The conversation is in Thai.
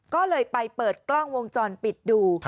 ก็เลยไปเปิดกล้องวงจรปิดดู